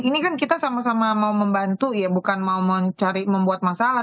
ini kan kita sama sama mau membantu ya bukan mau mencari membuat masalah